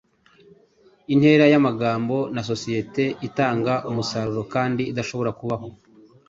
intera yamagambo na societe itanga umusaruro kandi idashobora kubaho.